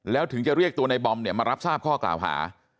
แล้วถึงจะเรียกตัวในบอมเนี่ยมารับทราบข้อกล่าวหา